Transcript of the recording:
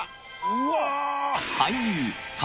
うわ！